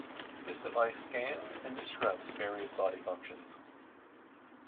This device scans and disrupts various body functions.